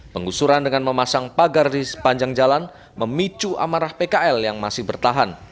penggusuran dengan memasang pagar di sepanjang jalan memicu amarah pkl yang masih bertahan